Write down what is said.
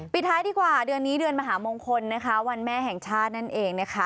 ปิดท้ายดีกว่าเดือนนี้เดือนมหามงคลวันแม่แห่งชาตินั่นเอง